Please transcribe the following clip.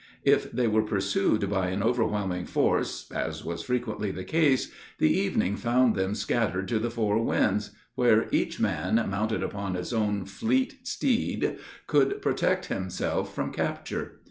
If they were pursued by an overwhelming force as was frequently the case, the evening found them scattered to the four winds, where each man, mounted upon his own fleet steed, could protect himself from capture.